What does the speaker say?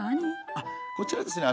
あっこちらはですね